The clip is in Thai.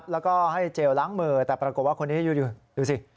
แล้วก็ให้เจลล้างมือแต่ปรากฏว่าคนนี้ดูสิ